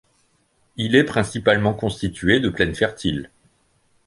Il est principalement constitué de plaines fertiles.